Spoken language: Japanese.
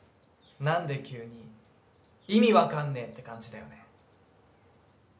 なんで急に意味わかんねえって感じだよね。